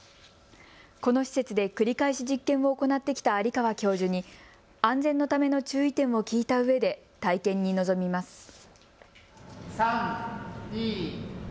この施設で繰り返し実験を行ってきた有川教授に安全のための注意点を聞いたうえで体験に臨みます。